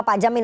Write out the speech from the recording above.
ke pak jamin